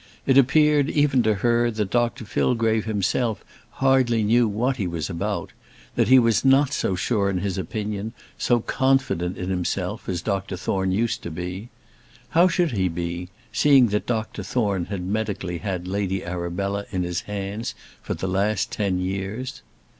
It appeared, even to her, that Dr Fillgrave himself hardly knew what he was about, that he was not so sure in his opinion, so confident in himself, as Dr Thorne used to be. How should he be, seeing that Dr Thorne had medically had Lady Arabella in his hands for the last ten years?